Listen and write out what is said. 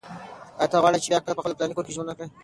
ایا ته غواړې چې بیا کله په خپل پلرني کور کې ژوند وکړې؟